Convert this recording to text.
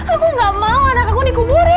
aku gak mau anakku dikuburin